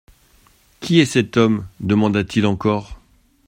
Qui est cet homme ? demanda-t-il encore.